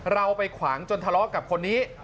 เราไปขวางจนทะเลาะกับคนนี้